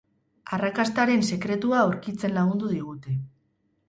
Arrakastaren sekretua aurkitzen lagundu digute.